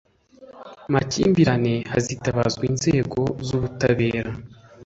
makimbirane hazitabazwa inzego z ubutabera